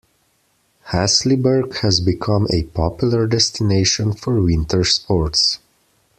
Hasliberg has become a popular destination for winter sports.